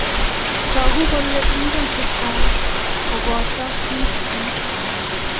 Togu kole ingen che chang' kobotu kiit ni